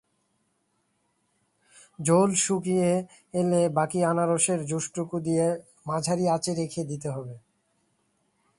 ঝোল শুকিয়ে এলে বাকি আনারসের জুসটুকু দিয়ে মাঝারি আঁচে রেখে দিতে হবে।